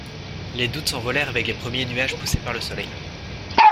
Les doutes s’envolèrent avec les premiers nuages poussés par le soleil.